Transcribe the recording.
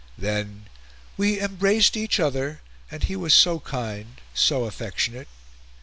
Then "we embraced each other, and he was so kind, so affectionate."